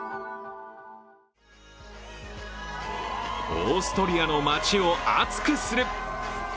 オーストリアの街を熱くする。